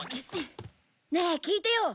ねえ聞いてよ。